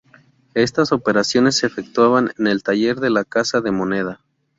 Estas operaciones se efectuaban en el taller de la Casa de Moneda.